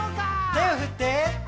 「手を振って」